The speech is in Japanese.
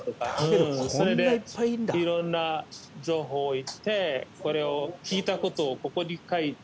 それでいろんな情報を言ってこれを聞いたことをここに書いて。